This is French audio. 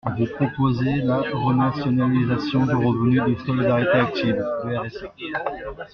Vous proposez la renationalisation du revenu de solidarité active, le RSA.